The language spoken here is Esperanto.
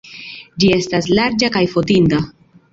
Ĝi estas larĝa kaj fotinda.